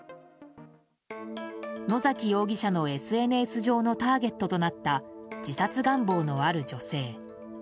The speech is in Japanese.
野崎容疑者のＳＮＳ上のターゲットとなった自殺願望のある女性。